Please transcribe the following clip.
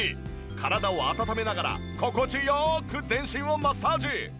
体を温めながら心地良く全身をマッサージ！